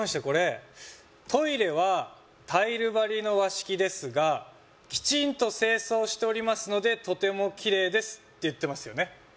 これトイレはタイル張りの和式ですがきちんと清掃しておりますのでとてもキレイですって言ってますよね